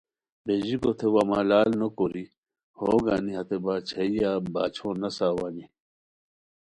بیژیکو تھے وا ملال نو کوری ہو گانی ہتے باچھائیہ باچھو نسہ اوانی